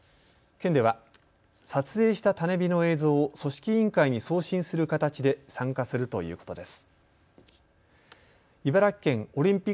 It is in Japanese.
県では、撮影した種火の映像を組織委員会に送信する形で参加するということです。